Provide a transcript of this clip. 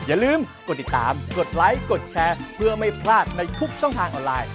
อย่าลืมกดติดตามกดไลค์กดแชร์เพื่อไม่พลาดในทุกช่องทางออนไลน์